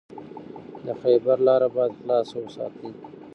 د خیبر لاره باید خلاصه وساتئ.